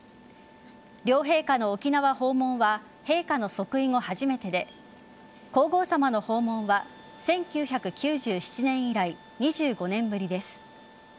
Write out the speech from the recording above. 両陛下の沖縄訪問は陛下の即位後、初めてで皇后さまの訪問は１９９７年以来２５年ぶりです。